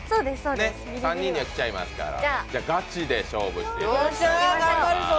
３人には来ちゃいますから、ガチで勝負していただきます。